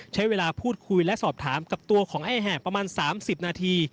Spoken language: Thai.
ใช้เวลาพูดคุยและสอบถามกับตัวของไอ้แหบประมาณ๓๐นาที